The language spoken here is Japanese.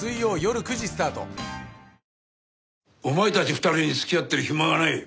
２人に付き合ってる暇はない。